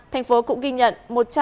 tp hcm cũng ghi nhận